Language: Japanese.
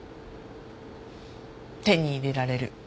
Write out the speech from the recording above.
手に入れられる。